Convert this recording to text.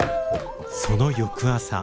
その翌朝。